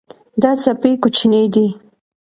دا سپی کوچنی دی.